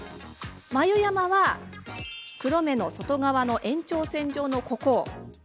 眉山は黒目の外側の延長線上のここ。